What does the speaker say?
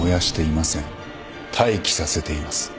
待機させています。